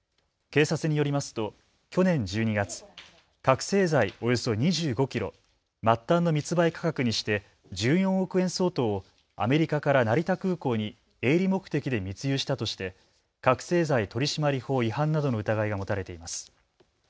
警察によりますと去年１２月、覚醒剤およそ２５キロ、末端の密売価格にして１４億円相当をアメリカから成田空港に営利目的で密輸したとして覚醒剤取締法違反などの疑いが持たれています。